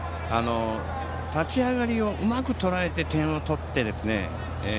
立ち上がりをうまくとらえて点を取ってですね。